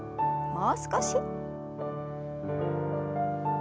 もう少し。